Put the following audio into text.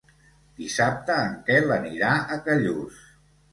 Dissabte en Quel anirà a Callús.